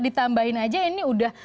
ditambahin aja ini udah